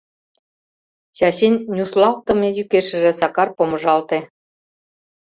Чачин нюслалтыме йӱкешыже Сакар помыжалте...